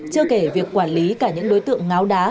chưa kể việc quản lý cả những đối tượng ngáo đá